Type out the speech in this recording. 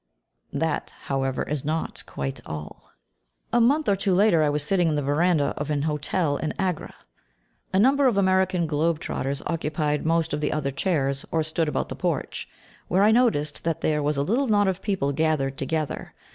That, however, is not quite all. A month or two later I was sitting in the verandah of an hotel in Agra. A number of American globe trotters occupied most of the other chairs, or stood about the porch, where I noticed there was a little knot of people gathered together.